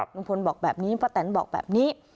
ลุงพลบอกแบบนี้ป้าแตนบอกแบบนี้